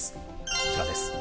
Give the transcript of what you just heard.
こちらです。